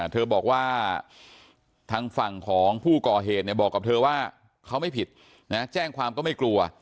เธอบอกว่าทางฝั่งของผู้ก่อเหตุบอกกับเธอว่าเขาไม่ผิดนะแจ้งความก็ไม่กลัว